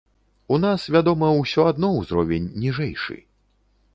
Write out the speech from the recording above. У нас, вядома, усё адно ўзровень ніжэйшы.